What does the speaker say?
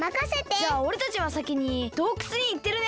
じゃあおれたちはさきにどうくつにいってるね。